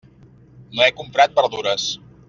No he comprat verdures.